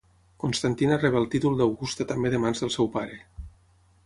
Constantina rebé el títol d'augusta també de mans del seu pare.